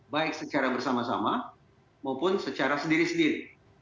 baik secara bersama sama maupun secara sendiri sendiri